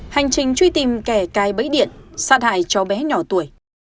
hành trình truy tìm kẻ cai bấy điện sát hại cho bé nhỏ tuổi